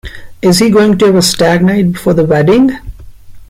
Is he going to have a stag night before the wedding?